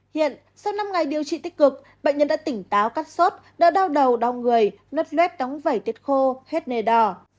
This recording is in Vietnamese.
hiện sau năm ngày điều trị tích cực bệnh nhân đã tỉnh táo cắt sốt đã đau đầu đau người nốt luet đóng vảy tiết khô hết nề đỏ